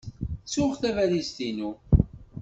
Ttuɣ tabalizt-inu.